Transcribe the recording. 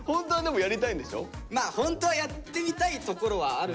ホントはやってみたいところはある。